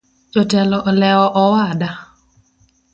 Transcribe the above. Jotelo olewo owada.